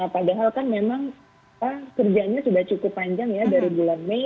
padahal kan memang kerjanya sudah cukup panjang ya dari bulan mei